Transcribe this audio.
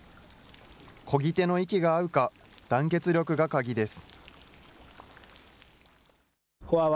こぎ手の息が合うか、団結力が鍵です。